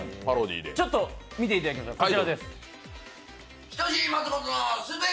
ちょっと見ていただきましょう。